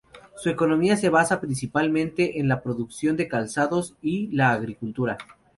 Su economía se basa principalmente en la producción de calzados y la agricultura.